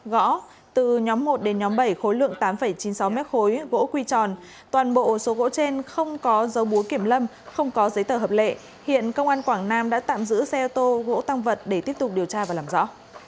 gõ từ nhóm một đến nhóm bảy khối lượng tám chín mươi sáu m khối gỗ quy tròn toàn bộ số gỗ trên không có dấu búa kiểm lâm không có giấy tờ hợp lệ hiện công an quảng nam đã tạm giữ xe ô tô gỗ tăng vật để tiếp tục điều tra và làm rõ